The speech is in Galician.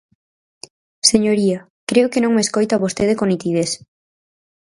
Señoría, creo que non me escoita vostede con nitidez.